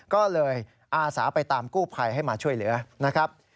ก็เลยอาสาไปตามกู้ภัยให้มาช่วยเหลือนะครับ